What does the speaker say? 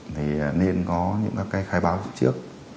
thì nên có những cái khai báo trước